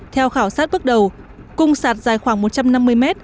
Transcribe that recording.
theo khảo sát bước đầu cung sạt dài khoảng một trăm năm mươi mét